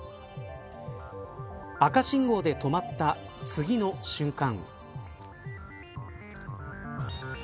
赤信号で止まった、次の瞬間。